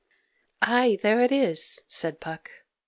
"Ay, there it is," said Puck.